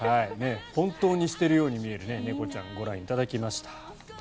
本当にしているように見える猫ちゃんをご覧いただきました。